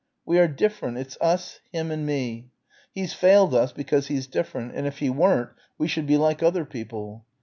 We are different it's us, him and me. He's failed us because he's different and if he weren't we should be like other people.